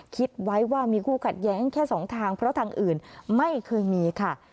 คิดไว้ว่ามีคู่ขัดแย้งแค่สองทางเพราะทางอื่นไม่เคยมีค่ะ